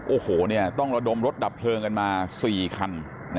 โอ้โหต้องระดมรถดับเพลิงกันมา๔คัน